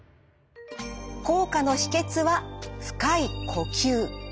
効果の秘けつは深い呼吸。